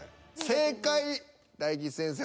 正解大吉先生